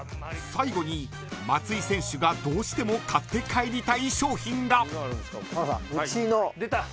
最後に松井選手がどうしても買って帰りたい商品が。